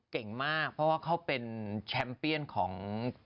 เก่งมากเพราะว่าเขาเป็นแชมป์เปียนของ